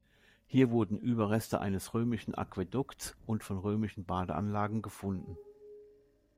Hier wurden Überreste eines römischen Aquädukts und von römischen Badeanlagen gefunden.